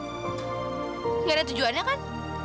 gimana tujuannya kan